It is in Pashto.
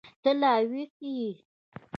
ته لا ويښه يې.